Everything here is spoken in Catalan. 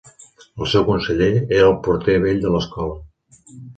El seu conseller, era el porter vell de l'Escola